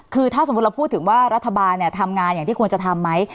คือถ้าสมมุติเราพูดถึงว่ารัฐบาลทำงานอย่างที่ควรจะทำไหม